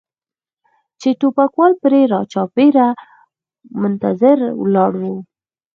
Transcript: چې ټوپکوال پرې را چاپېر و منتظر ولاړ و.